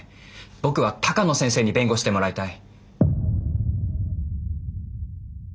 僕は鷹野先生に弁護してもらいたい。